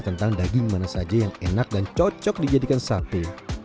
tentang daging mana saja yang enak dan cocok dijadikan sate